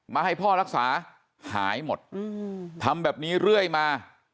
มาให้พ่อรักษาหายหมดทำแบบนี้เรื่อยมา